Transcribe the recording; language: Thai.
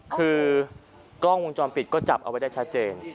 คือกล้องวงจรปิดก็จับเอาไว้ได้ชัดเจน